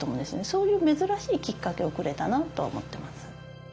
そういう珍しいきっかけをくれたなと思ってます。